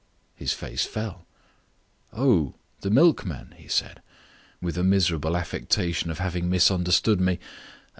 His face fell. "Oh, the milkman," he said, with a miserable affectation at having misunderstood me.